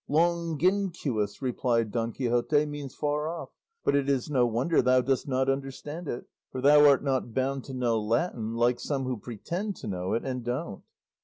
"Longinquous," replied Don Quixote, "means far off; but it is no wonder thou dost not understand it, for thou art not bound to know Latin, like some who pretend to know it and don't."